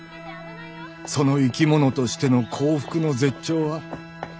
その生き物としての幸福の絶頂は。